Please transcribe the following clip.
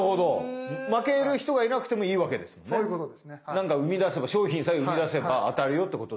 何かうみだせば商品さえうみだせば当たるよっていうことだ。